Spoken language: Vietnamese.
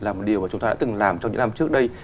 là một điều mà chúng ta đã từng làm trong những năm trước đây